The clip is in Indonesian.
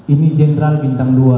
ini jenderal bintang dua ya mulia